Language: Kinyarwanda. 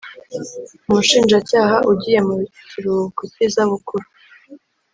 Umushinjacyaha ugiye mu kiruhuko cy izabukuru